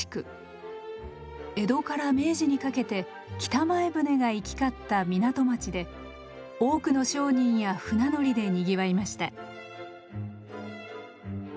江戸から明治にかけて北前船が行き交った港町で多くの商人や船乗りでにぎわいました。